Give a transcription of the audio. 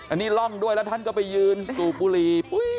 อันนี้ร่องด้วยแล้วท่านก็ไปยืนสูบบุหรี่